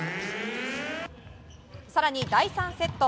更に、第３セット。